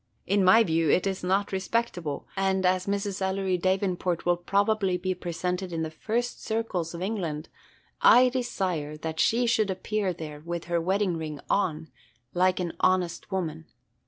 In my view, it 's not respectable; and, as Mrs. Ellery Davenport will probably be presented in the first circles of England, I desire that she should appear there with her wedding ring on, like an honest woman.